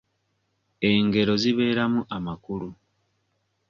Engero zibeeramu amakulu.